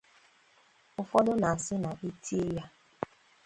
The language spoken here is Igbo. Ụfọdụ na-asị na e tie ya